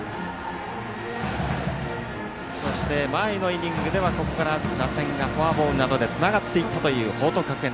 そして前のイニングではここから打線がフォアボールなどでつながっていったという報徳学園。